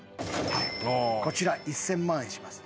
こちら１，０００万円します。